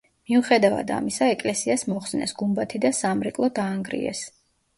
მიუხედავად ამისა ეკლესიას მოხსნეს გუმბათი და სამრეკლო დაანგრიეს.